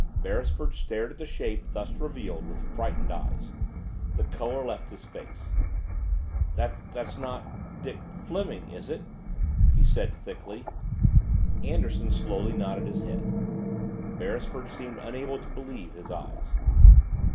Beresford stared at the shape thus revealed with frightened eyes. The color left his face. "That's not Dick Fleming is it?" he said thickly. Anderson slowly nodded his head. Beresford seemed unable to believe his eyes.